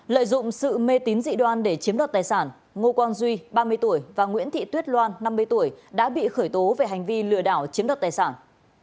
lợi dụng sự mê tín dị đoan để chiếm đoạt tài sản ngô quang duy ba mươi tuổi và nguyễn thị tuyết loan năm mươi tuổi đã bị khởi tố về hành vi lừa đảo chiếm đoạt tài sản